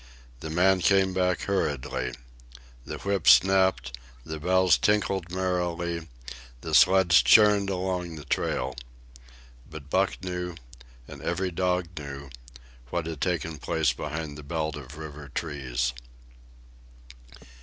The man came back hurriedly. The whips snapped, the bells tinkled merrily, the sleds churned along the trail; but Buck knew, and every dog knew, what had taken place behind the belt of river trees.